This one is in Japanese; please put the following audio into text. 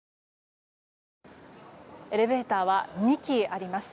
エレベーターは２基あります。